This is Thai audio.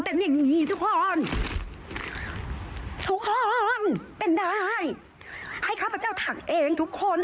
เป็นอย่างงี้ทุกคนทุกคนเป็นได้ให้ข้าพเจ้าถักเองทุกคน